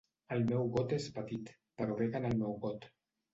El meu got és petit, però bec en el meu got.